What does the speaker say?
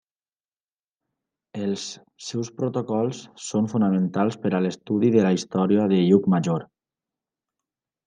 Els seus protocols són fonamentals per a l'estudi de la història de Llucmajor.